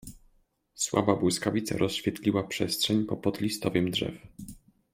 Słaba błyskawica rozświetliła przestrzeń popod listowiem drzew.